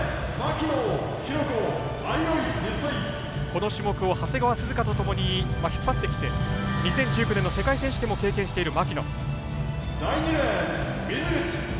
この種目を長谷川涼香とともに引っ張ってきて、２０１９年の世界選手権も経験している牧野。